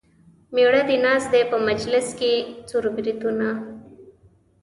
مېړه دې ناست دی په مجلس کې څور بریتونه.